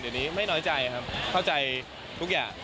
เดี๋ยวนี้ไม่น้อยใจครับเข้าใจทุกอย่าง